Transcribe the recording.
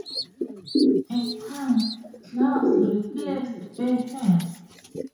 In time, gloves replaced bare hands.